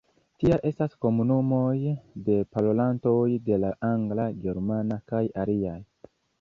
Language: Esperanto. Tial estas komunumoj de parolantoj de la angla, germana kaj aliaj.